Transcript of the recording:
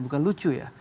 bukan lucu ya